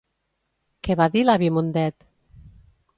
Què va dir l'avi Mundet?